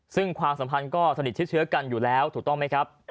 ซึ่งความสัมพันธ์ก็สนิทชิดเชื้อกันอยู่แล้วถูกต้องไหมครับ